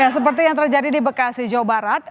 seperti yang terjadi di bekasi jawa barat